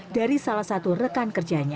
dari salah satu rekan kerjanya